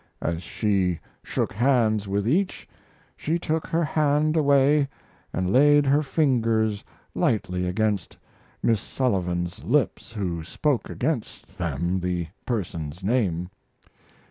As she shook hands with each she took her hand away and laid her fingers lightly against Miss Sullivan's lips, who spoke against them the person's name.